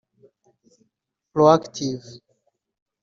proactive